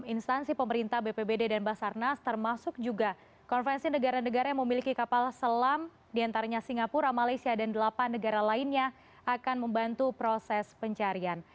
instansi pemerintah bpbd dan basarnas termasuk juga konvensi negara negara yang memiliki kapal selam diantaranya singapura malaysia dan delapan negara lainnya akan membantu proses pencarian